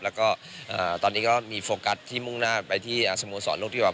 แล้วก็ตอนนี้ก็มีโฟกัสที่มุ่งหน้าไปที่สโมสรโลกที่แบบ